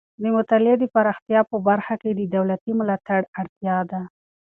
د مطالعې د پراختیا په برخه کې د دولتي ملاتړ اړتیا ده.